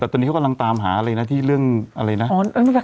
แต่ตอนนี้เขากำลังตามหาอะไรนะที่เรื่องอะไรนะ